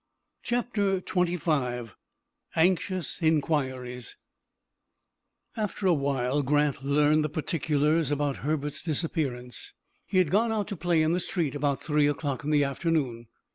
CHAPTER XXV ANXIOUS INQUIRIES After a while Grant learned the particulars about Herbert's disappearance. He had gone out to play in the street about three o'clock in the afternoon.